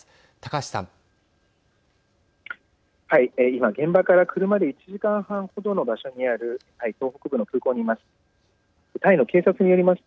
今、現場から車で１時間半程の場所にあるタイ東北部の空港にいます。